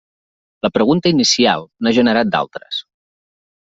La pregunta inicial n'ha generat d'altres.